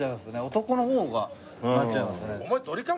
男の方がなっちゃいますね。